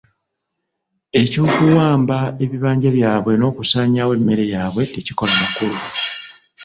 Eky'okuwamba ebibanja byabwe n'okusaanyaawo emmere yaabwe tekikola makulu.